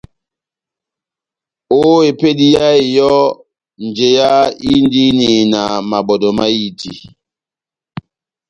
Ó epédi yá eyɔ́, njeyá inidini na mabɔ́dɔ mahiti.